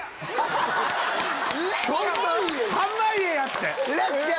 そんな⁉濱家やって！